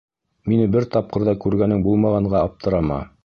— Мине бер тапҡыр ҙа күргәнең булмағанға аптырама.